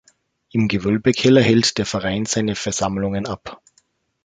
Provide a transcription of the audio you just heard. Im Gewölbekeller hält der Verein seine Versammlungen ab.